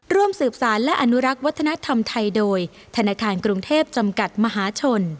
ร่วมสืบสารและอนุรักษ์วัฒนธรรมไทยโดยธนาคารกรุงเทพจำกัดมหาชน